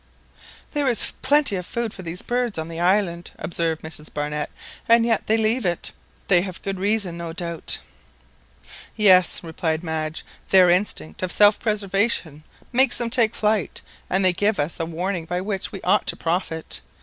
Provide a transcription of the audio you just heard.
"There is plenty of food for these birds on the island," observed Mrs Barnett, "and yet they leave it—they have a good reason, no doubt." "Yes," replied Madge; "their instinct of self preservation makes them take flight, and they give us a warning by which we ought to profit.